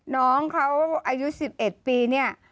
น้องเขาอายุ๑๑ปีเนี่ย